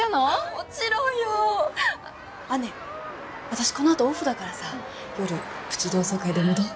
私このあとオフだからさ夜プチ同窓会でもどう？